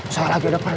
saya lagi udah pernah